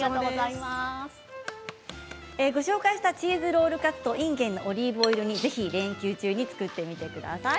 ご紹介したチーズロールカツといんげんのオリーブオイル煮は連休中にぜひ作ってみてください。